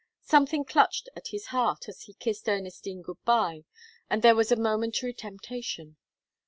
Something clutched at his heart as he kissed Ernestine good bye and there was a momentary temptation.